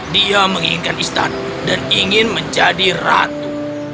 dia menginginkan istana dan ingin menjadi ratu